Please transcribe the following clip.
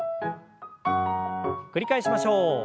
繰り返しましょう。